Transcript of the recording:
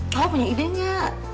kau punya idenya